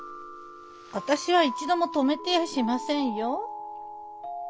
私は一度も止めてやしませんよ。